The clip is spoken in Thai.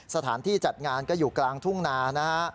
สถานที่จัดงานก็อยู่กลางทุ่งนานะฮะ